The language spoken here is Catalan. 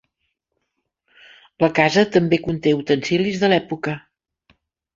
La casa també conté utensilis de l'època.